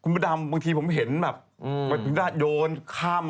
บางทีผมเห็นคุณประดำ